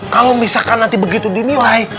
kalau misalkan nanti begitu dinilai